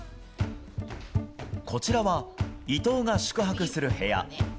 こちらは伊藤が宿泊する部屋。